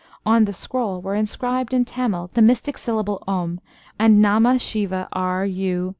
On the scroll were inscribed in Tamil the mystic syllable, "Om," and "Nama Siva R. U.